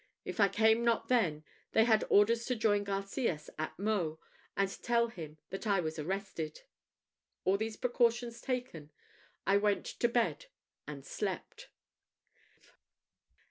If I came not then, they had orders to join Garcias at Meaux, and tell him that I was arrested. All these precautions taken, I went to bed and slept.